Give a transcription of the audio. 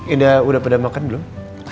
udah pada makan belum